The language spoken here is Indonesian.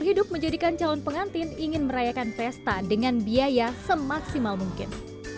hidup menjadikan calon pengantin ingin merayakan pesta dengan biaya semaksimal mungkin